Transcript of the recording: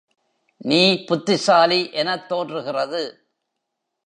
நீ புத்திசாலி எனத் தோன்றுகிறது.